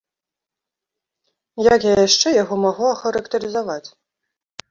Як я яшчэ яго магу ахарактарызаваць?